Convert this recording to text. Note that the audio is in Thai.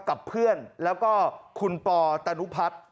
กับเพื่อนแล้วก็คุณปอตนุพัฒน์